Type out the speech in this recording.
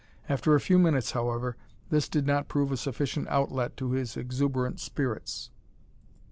After a few minutes, however, this did not prove a sufficient outlet to his exuberant spirits.